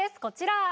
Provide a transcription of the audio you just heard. こちら。